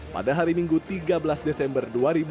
pada hari minggu tiga belas desember dua ribu dua puluh